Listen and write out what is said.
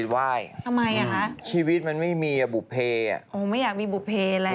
ทำไมอ่ะคะชีวิตมันไม่มีอ่ะบุ๊คเพไม่อยากมีบุ๊คเพแล้ว